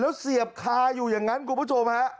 แล้วเสียบคาอยู่อย่างนั้นคุณผู้ชมฮะ